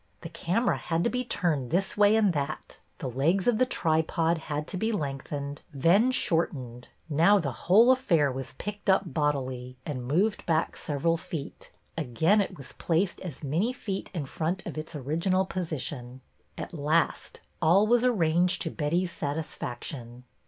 The camera had to be turned this way and that; the legs of the tripod had to be lengthened, then shortened ; now the whole afifair was picked up bodily, and moved back several ''MY MOTHER'S JOURNAL 9 feet; again it was placed as many feet in front of its original position. At last all was arranged to Betty's satisfaction.